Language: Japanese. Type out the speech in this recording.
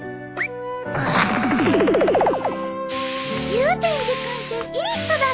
祐天寺君っていい人だったね。